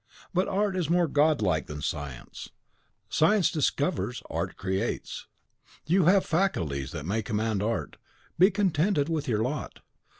But art is more godlike than science; science discovers, art creates. You have faculties that may command art; be contented with your lot.